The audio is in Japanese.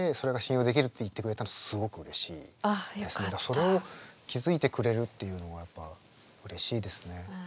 それを気付いてくれるっていうのがやっぱうれしいですね。